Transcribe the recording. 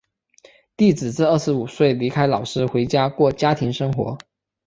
弟子至二十五岁离开老师回家过家庭生活。